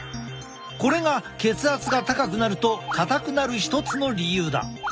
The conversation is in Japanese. これが血圧が高くなると硬くなる一つの理由だ。